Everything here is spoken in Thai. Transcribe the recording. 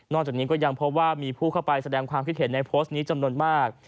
จากนี้ก็ยังพบว่ามีผู้เข้าไปแสดงความคิดเห็นในโพสต์นี้จำนวนมาก